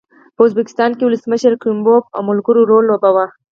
په ازبکستان کې ولسمشر کریموف او ملګرو رول لوباوه.